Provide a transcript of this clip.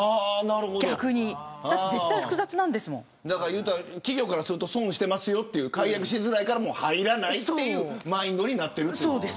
いうたら企業からすると損してますよという解約しづらいから入らないというマインドになっている。